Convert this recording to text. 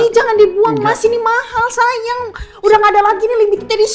jangan dibuang jangan dibuang